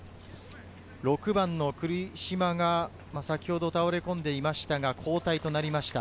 ６番・栗島が先ほど倒れ込んでいました、交代となりました。